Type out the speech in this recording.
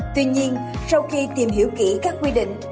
tuy nhiên sau khi tìm hiểu kỹ các quy định